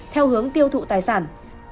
theo hướng tiêu thụ tài sản